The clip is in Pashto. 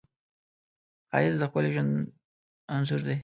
ښایست د ښکلي ژوند انځور دی